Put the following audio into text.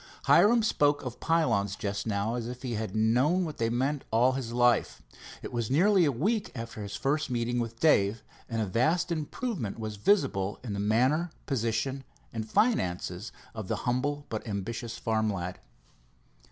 Hiram spoke of pylons just now as if he had known what they meant all his life. It was nearly a week after his first meeting with Dave, and a vast improvement was visible in the manner, position and finances of the humble but ambitious farm lad.